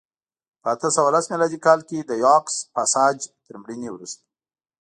په اته سوه لس میلادي کال کې د یاکس پاساج تر مړینې وروسته